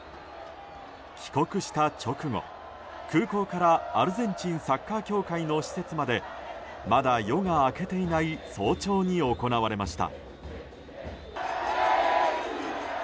帰国した直後、空港からアルゼンチンサッカー協会の施設までまだ夜が明けていない早朝に行われました。